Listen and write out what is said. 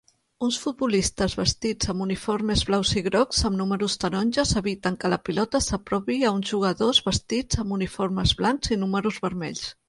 Uns futbolistes vestits amb uniformes blaus i grocs amb números taronges eviten que la pilota s'apropi a uns jugadors vestits amb uniformes blancs i números vermells.